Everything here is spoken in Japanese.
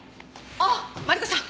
あっマリコさん。